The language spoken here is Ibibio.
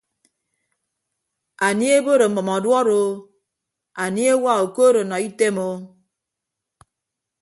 Anie ebod ọmʌm ọduọd o anie ewa okood ọnọ item o.